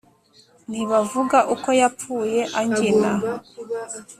ntibavuga uko yapfuye angina